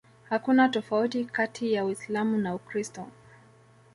Hakuna tofauti kati ya Uislam na Ukristo